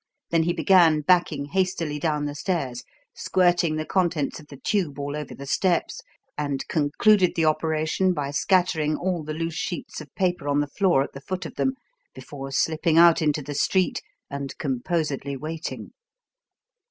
Then he began backing hastily down the stairs, squirting the contents of the tube all over the steps, and concluded the operation by scattering all the loose sheets of paper on the floor at the foot of them before slipping out into the street and composedly waiting.